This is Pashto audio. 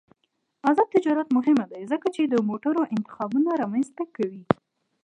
آزاد تجارت مهم دی ځکه چې د موټرو انتخابونه رامنځته کوي.